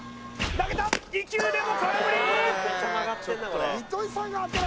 投げた２球目も空振り！